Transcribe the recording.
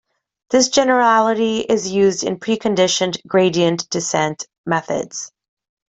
This generality is used in preconditioned gradient descent methods.